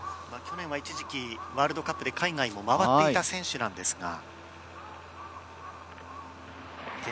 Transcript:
去年は一時期ワールドカップで海外も回っていた選手です。